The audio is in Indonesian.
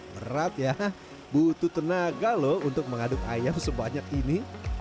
berat ya butuh tenaga loh untuk mengaduk ayam sebanyak ini